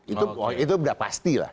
itu udah pasti lah